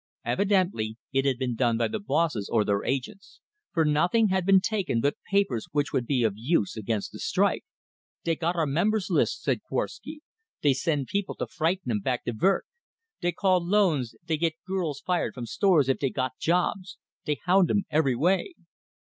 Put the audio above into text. Evidently it had been done by the bosses or their agents, for nothing had been taken but papers which would be of use against the strike. "Dey got our members' list," said Korwsky. "Dey send people to frighten 'em back to verk! Dey call loans, dey git girls fired from stores if dey got jobs dey hound 'em every way!"